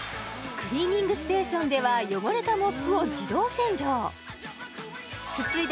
クリーニングステーションでは汚れたモップを自動洗浄すすいだ